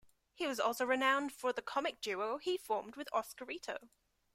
He was also renowned for the comic duo he formed with Oscarito.